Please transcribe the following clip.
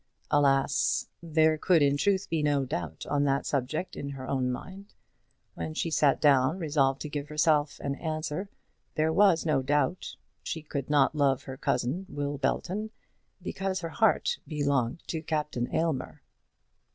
Alas! there could in truth be no doubt on that subject in her own mind. When she sat down, resolved to give herself an answer, there was no doubt. She could not love her cousin, Will Belton, because her heart belonged to Captain Aylmer.